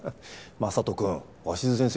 眞人君鷲津先生